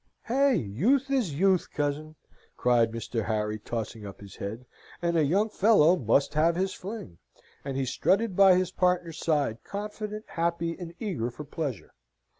"Hey! Youth is youth, cousin!" cried Mr. Harry, tossing up his head, "and a young fellow must have his fling!" and he strutted by his partner's side, confident, happy, and eager for pleasure.